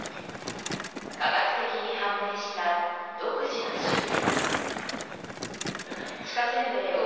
科学的に判明した独自な集団。